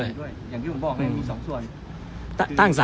อย่างที่ผมบอกมันมี๒ส่วน